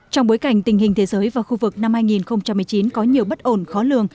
trong bối cảnh tình hình thế giới và khu vực năm hai nghìn một mươi chín có nhiều bất ổn khó lường